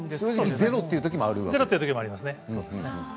ゼロというときもありますね。